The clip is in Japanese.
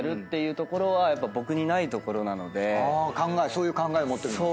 そういう考えを持ってる。